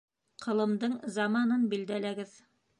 Ҡылымдың заманын билдәләгеҙ